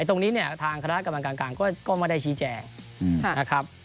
ตรงนี้เนี่ยทางคณะกรรมการกลางก็ไม่ได้ชี้แจงนะครับ